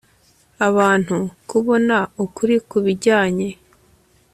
abantu kubona ukuri ku bijyanye